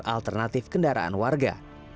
jalur alternatif kendaraan warga